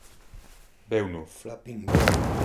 Veuno.